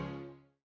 sampai jumpa lagi